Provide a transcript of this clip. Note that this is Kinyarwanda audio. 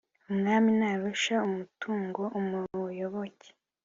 umwami ntarusha amatungo umuyoboke.